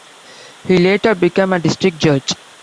He later became a district judge.